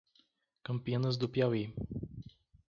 Campinas do Piauí